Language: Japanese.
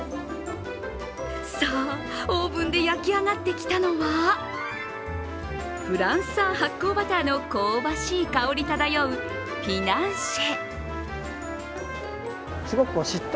さあ、オーブンで焼き上がってきたのはフランス産発酵バターの香ばしい香り漂うフィナンシェ。